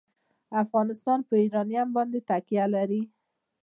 افغانستان په یورانیم باندې تکیه لري.